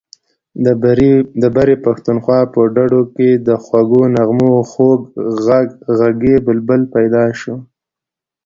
د برې پښتونخوا په ډډو کې د خوږو نغمو خوږ غږی بلبل پیدا شو.